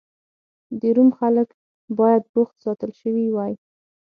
د روم خلک باید بوخت ساتل شوي وای.